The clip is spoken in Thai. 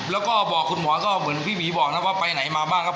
แล้วก็บอกคุณหมอก็เหมือนพี่หมีบอกนะว่าไปไหนมาบ้างครับ